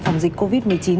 phòng dịch covid một mươi chín